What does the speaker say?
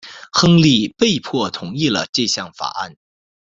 亨利被迫同意了这项法案。